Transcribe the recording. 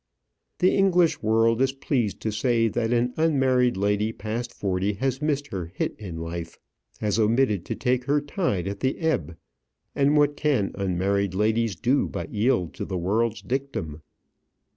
The English world is pleased to say that an unmarried lady past forty has missed her hit in life has omitted to take her tide at the ebb; and what can unmarried ladies do but yield to the world's dictum?